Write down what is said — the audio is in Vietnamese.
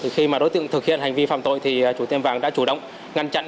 khi mà đối tượng thực hiện hành vi phạm tội thì chủ tiệm vàng đã chủ động ngăn chặn